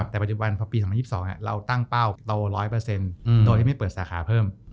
แต่ปัจจุบันพอปี๒๐๒๒เราตั้งเป้าโต๑๐๐โดยที่ไม่เปิดสาขาเพิ่ม